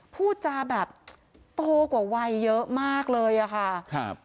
พูดจาแบบโตกว่าวัยเยอะมากเลยอะค่ะครับ